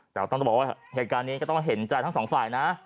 แต่ต้องบอกว่าเหตุการณ์นี้ก็ต้องเห็นใจทั้งสองฝ่ายนะ